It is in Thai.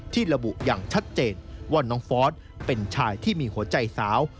ที่ระบุอย่างชัดเจนว่าน้องฟอสเป็นชายที่มีหัวใจสาว